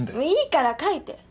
いいから描いて。